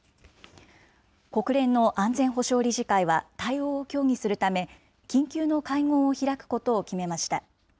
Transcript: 国連の安全保障理事会は対応を協議するため、緊急の会合を開くことを決めました。